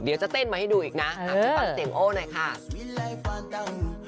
จะเต้นมาให้ดูอีกนะไปฟังเสียงโอ้หน่อยค่ะ